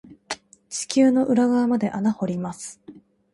地球の裏側まで穴掘ります。